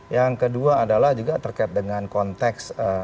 yang kedua adalah juga terkait dengan konteks